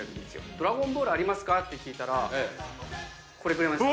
ドラゴンボールありますかって聞いたらこれくれました。